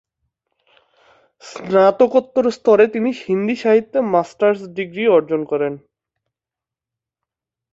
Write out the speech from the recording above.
স্নাতকোত্তর স্তরে তিনি হিন্দি সাহিত্যে মাস্টার্স ডিগ্রি অর্জন করেন।